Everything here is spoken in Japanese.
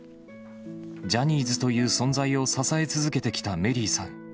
ジャニーズという存在を支え続けてきたメリーさん。